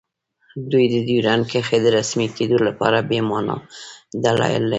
دوی د ډیورنډ کرښې د رسمي کیدو لپاره بې مانا دلایل لري